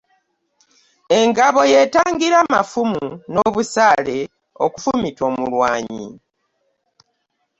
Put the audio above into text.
Engabo y'eyatangira amafumu n'obusaale okufumita omulwanyi